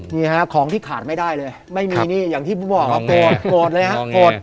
นี่ฮะของที่ขาดไม่ได้เลยไม่มีนี่อย่างที่ผมบอกโกรธโกรธเลยฮะโกรธ